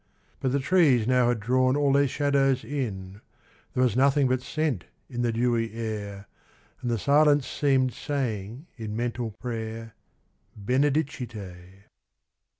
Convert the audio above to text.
But the trees now had drawn all their shadows in ; There was nothing but scent in the dewy air. And the silence seemed saying in mental prayer, Benedicite.